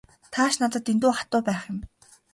Та ч надад дэндүү хатуу байх юм.